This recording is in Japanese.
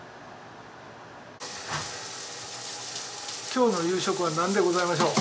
今日の夕食はなんでございましょう？